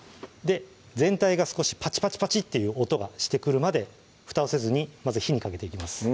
全体が少しパチパチパチッていう音がしてくるまでふたをせずにまず火にかけていきます